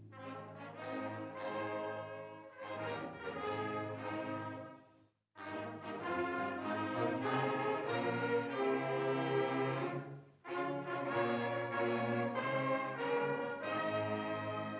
dia mengobati berita abdi kaspin yang tinggal larut dalam asfalt menu